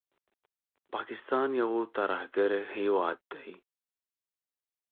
پاکستان یو ترهګر هېواد دی